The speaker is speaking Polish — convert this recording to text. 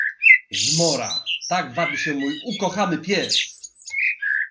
Zmora - tak wabi się mój ukochany pies!